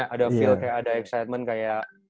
ada feel kayak ada excitement kayak